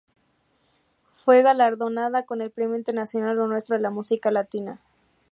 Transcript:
Fue galardonada con el premio internacional Lo Nuestro a la música latina.